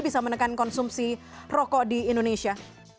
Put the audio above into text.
bisa menekan konsumsi rokok di indonesia